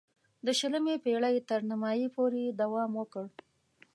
د شلمې پېړۍ تر نیمايی پورې یې دوام وکړ.